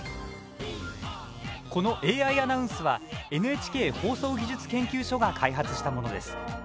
このＡＩアナウンスはＮＨＫ放送技術研究所が開発したものです。